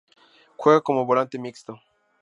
Juega como volante mixto.